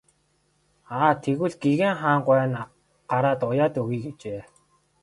Аа тэгвэл гэгээн хаан гуай нь гараад уяад өгье гэжээ.